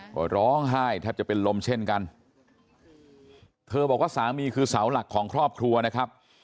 ก็ร้องไห้แทบจะเป็นลมเช่นกันเธอบอกว่าสามีคือเสาหลักของครอบครัวนะครับ